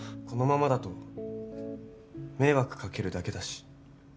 このままだと迷惑かけるだけだし。